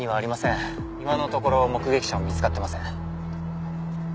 今のところ目撃者も見つかってません。